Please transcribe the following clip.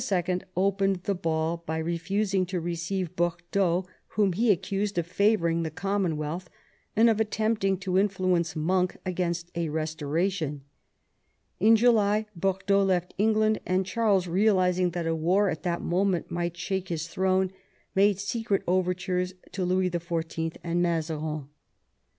opened the ball by refusing to receive Bordeaux, whom he accused of favouring the Common wealth and of attempting to influence Monk against a restoration. In July Bordeaux left England, and Charles, realising that a war at that moment might shake his throne, made secret overtures to Louis XIV. and Mazarin.